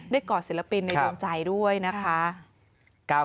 ก่อศิลปินในดวงใจด้วยนะคะ